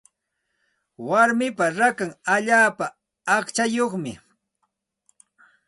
Warmipa rakan allaapa aqchayuqmi.